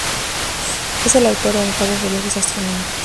Es el autor de notables relojes astronómicos.